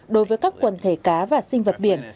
đối với các quần thể cá và sinh vật biển